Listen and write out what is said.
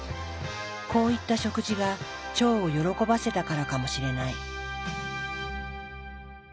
こういった食事が腸を喜ばせたからかもしれない。